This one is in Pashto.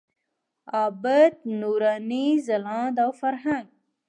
عابد، نوراني، ځلاند او فرهنګ.